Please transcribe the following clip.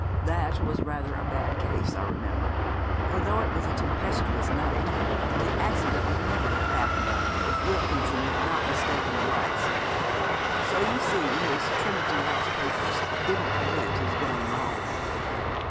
That was rather a bad case, I remember; for though it was a tempestuous night, the accident would never have happened if Wilkinson had not mistaken the lights. So you see his Trinity House papers didn't prevent his going wrong.'